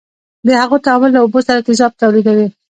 د هغو تعامل له اوبو سره تیزاب تولیدوي.